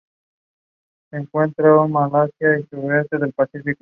Se encuentra en Malasia y sudoeste del Pacífico.